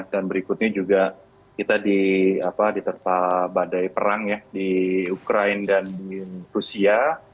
dan berikutnya juga kita diterpah badai perang ya di ukraine dan di rusia